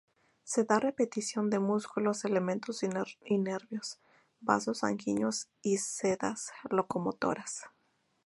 Se da repetición de músculos, elementos nerviosos, vasos sanguíneos y sedas locomotoras.